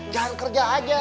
jangan kerja aja